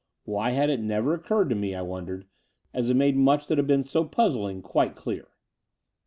Why had it never occurred to The Dower House 301 me, I wondered, as it made much that had been so puzzling quite clear.